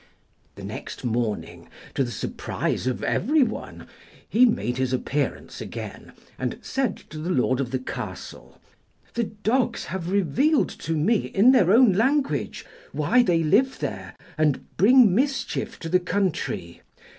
The next morning, to the surprise of every one, he made his appearance again, and said to the Lord of the castle, 'The Dogs have revealed to me in their own language why they live there and bring mischief to the country.